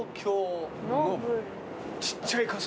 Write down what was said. ちっちゃい傘。